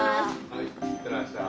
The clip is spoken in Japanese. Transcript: はいいってらっしゃい。